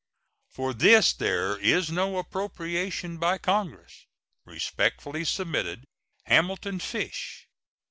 For this there is no appropriation by Congress. Respectfully submitted. HAMILTON FISH.